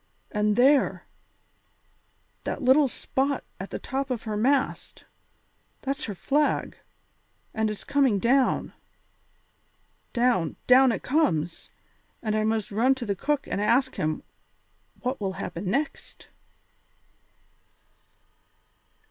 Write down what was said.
And there, that little spot at the top of her mast; that's her flag, and it is coming down! Down, down it comes, and I must run to the cook and ask him what will happen next."